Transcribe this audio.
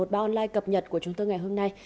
báo online cập nhật của chúng tôi ngày hôm nay